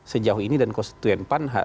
sejauh ini dan konstituen pan